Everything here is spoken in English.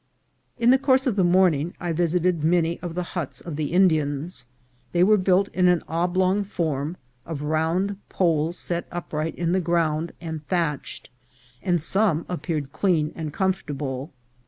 In the course of the morning I visited many of the huts of the Indians. They were built in an oblong form, of round poles set upright in the ground and thatched, and some appeared clean and comfortable. A DELICATE CASE.